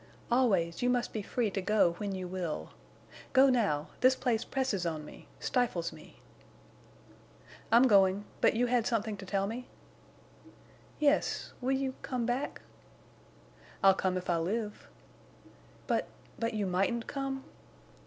"Always you must be free to go when you will. Go now... this place presses on me—stifles me." "I'm going—but you had something to tell me?" "Yes.... Will you—come back?" "I'll come if I live." "But—but you mightn't come?"